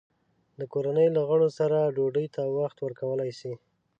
د کورنۍ له غړو سره ډوډۍ ته وخت ورکول شي؟